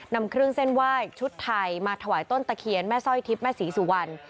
นำเครื่องเส้นไหว้ชุดไทยมาถวายต้นตะเคียนแม่สร้อยทิพย์แม่ศรีสุวรรณ